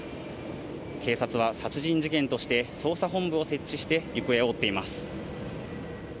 警察は殺人事件として捜査本部を設置して行方を追っています。